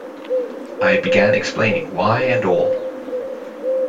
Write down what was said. I began explaining why and all.